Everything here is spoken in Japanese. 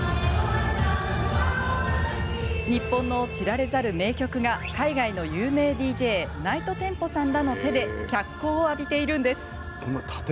日本の知られざる名曲が海外の有名ＤＪＮｉｇｈｔＴｅｍｐｏさんらの手で脚光を浴びているんです。